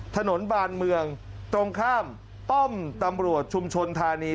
ถนนบานเมืองตรงข้ามป้อมตำรวจชุมชนธานี